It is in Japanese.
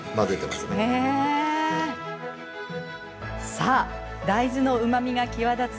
さあ大豆のうまみが際立つ